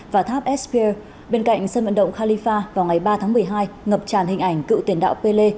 và tháp svier bên cạnh sân vận động khalifa vào ngày ba tháng một mươi hai ngập tràn hình ảnh cựu tiền đạo pelle